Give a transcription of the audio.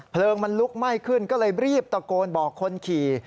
เพลิงมันลุกไหม้ขึ้นก็เลยรีบตะโกนบอกคนขี่